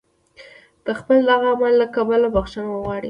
د خپل دغه عمل له کبله بخښنه وغواړي.